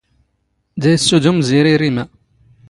ⴷⴰ ⵉⵙⵙⵓⴷⵓⵎ ⵣⵉⵔⵉ ⵔⵉⵎⴰ.